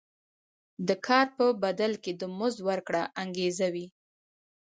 د کار په بدل کې د مزد ورکړه انګېزه وه.